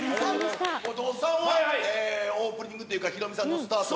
ごっさんは、オープニングというか、ヒロミさんのスタートを。